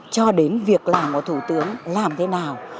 cho đến việc làm của thủ tướng làm thế nào